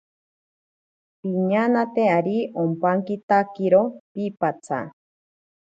Piñanate ari ompankitakiro piipatsa.